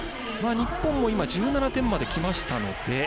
日本も１７点まできましたので。